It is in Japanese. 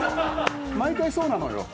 毎回そうなのよ。